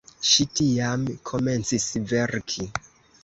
Ŝi tiam komencis verki.